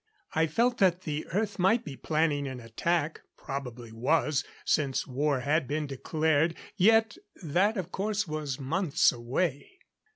I felt that the Earth might be planning an attack. Probably was, since war had been declared. Yet that of course was months away.